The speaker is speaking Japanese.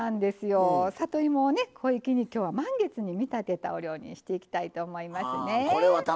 里芋を小粋に満月に見立てたお料理にしていきたいと思います。